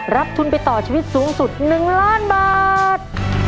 รับทุนไปต่อชีวิตสูงสุด๑ล้านบาท